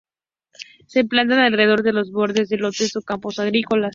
Se plantan alrededor de los bordes de lotes o campos agrícolas.